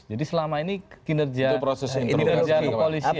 jadi selama ini kinerja polisian densus itu tidak